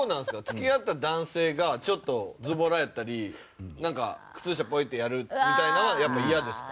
付き合った男性がちょっとズボラやったりなんか靴下ポイッてやるみたいなのはやっぱ嫌ですか？